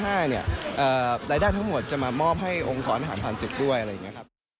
รายได้ทั้งหมดจะมามอบให้องค์ขออนุญาตภัณฑ์สิทธิ์ด้วย